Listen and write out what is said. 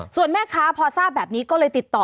ส่วนแม่ค้าพอทราบแบบนี้ก็เลยติดต่อ